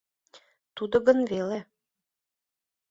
Тудо гын веле?